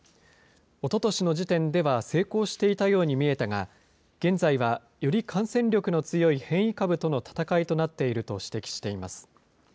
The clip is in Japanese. おととしの時点では成功していたように見えたが、現在はより感染力の強い変異株との闘いとなっていると指摘しています。